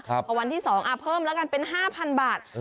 พอวันที่๒เพิ่มแล้วกันเป็น๕๐๐บาท